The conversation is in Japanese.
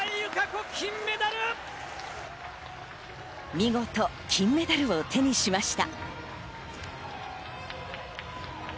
見事、金メダルを手にしました。